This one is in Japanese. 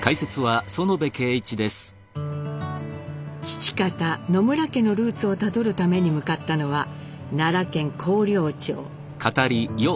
父方野村家のルーツをたどるために向かったのは奈良県広陵町。